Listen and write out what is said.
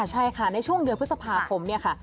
ใช่ค่ะในช่วงเดือนพฤษภาคมเนี่ยค่ะ